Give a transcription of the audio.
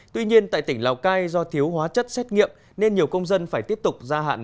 tuy nhiên tại tỉnh lào cai do thiếu hóa chất xét nghiệm nên nhiều công dân phải tiếp tục gia hạn